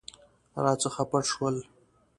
راڅخه پټ شول.